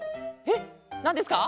えっなんですか？